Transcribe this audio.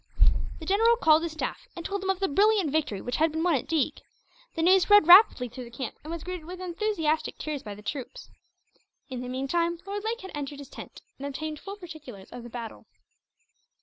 The general called his staff, and told them of the brilliant victory that had been won at Deeg. The news spread rapidly through the camp, and was greeted with enthusiastic cheers by the troops. In the meantime Lord Lake had entered his tent, and obtained full particulars of the battle.